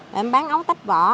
rồi em bán ấu tách vỏ